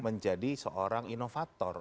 menjadi seorang inovator